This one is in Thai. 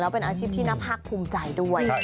เป็นอาชีพที่น่าภาคภูมิใจด้วย